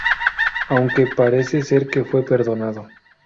Aunque parece ser que fue perdonado.